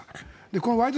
この「ワイド！